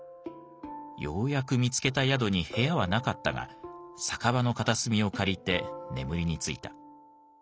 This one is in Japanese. ようやく見つけた宿に部屋はなかったが酒場の片隅を借りて眠りについた。